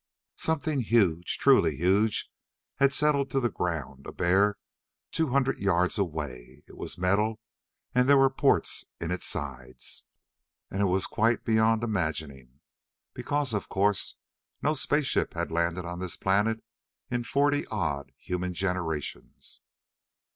Something huge truly huge! had settled to the ground a bare two hundred yards away. It was metal, and there were ports in its sides, and it was quite beyond imagining. Because, of course, no space ship had landed on this planet in forty odd human generations.